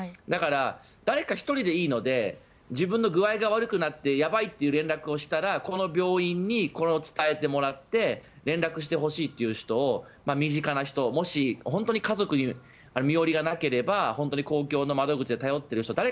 だから誰か１人でいいので自分の具合が悪くなってやばいという連絡をしたらこの病院に伝えてもらって連絡してほしいという人を身近な人もし本当に家族に身寄りがなければ本当に公共の窓口で頼っている人